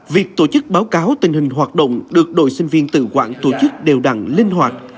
việc tổ chức báo cáo tình hình hoạt động được đội sinh viên tự quản tổ chức đều đặn linh hoạt